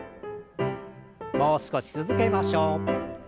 もう少し続けましょう。